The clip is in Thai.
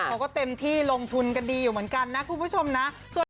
เขาก็เต็มที่ลงทุนกันดีอยู่เหมือนกันนะคุณผู้ชมนะ